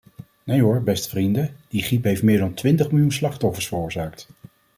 Nee hoor, beste vrienden, die griep heeft meer dan twintig miljoen slachtoffers veroorzaakt.